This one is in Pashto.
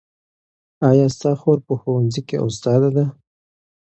ایا ستا خور په ښوونځي کې استاده ده؟